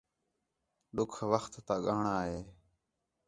ݙُکھ وخت تا ڳاہݨاں ہے